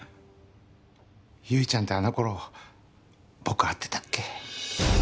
悠依ちゃんってあの頃僕会ってたっけ？